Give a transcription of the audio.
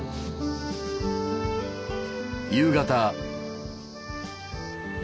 夕方。